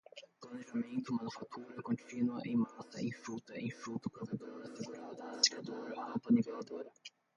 planejamento manufatura contínua em massa enxuta enxuto provedor assegurada rastreador rampa niveladora